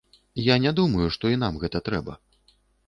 Я не думаю, што і нам гэта трэба.